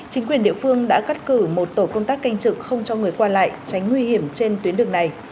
chính quyền địa phương đã cắt cử một tổ công tác canh trực không cho người qua lại tránh nguy hiểm trên tuyến đường này